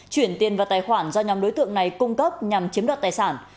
chuyển tiền vào tài khoản do nhóm đối tượng này cung cấp nhằm chiếm đoạt tài sản